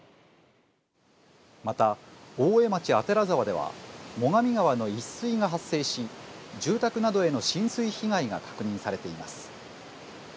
また大江町左沢では最上川の溢水が発生し、住宅などへの浸水被害が確認されています。